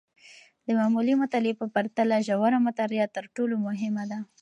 د معمولي مطالعې په پرتله، ژوره مطالعه تر ټولو مهمه ده.